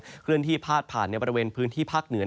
เคลื่อนที่พาดผ่านในบริเวณพื้นที่ภาคเหนือ